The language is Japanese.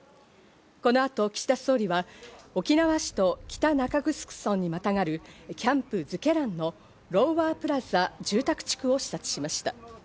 この後、岸田総理は沖縄市と北中城村にまたがるキャンプ瑞慶覧のロウワー・プラザ住宅地区を視察しました。